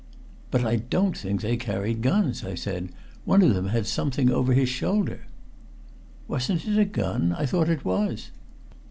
"But I don't think they carried guns," I said. "One of them had something over his shoulder?" "Wasn't it a gun? I thought it was."